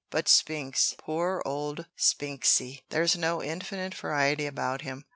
But Spinks poor old Spinksy there's no infinite variety about him.